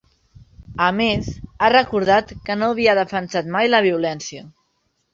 A més, ha recordat que no havia defensat mai la violència.